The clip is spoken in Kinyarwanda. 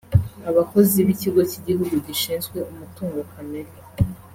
Abakozi b’Ikigo cy’Igihugu gishinzwe umutungo kamere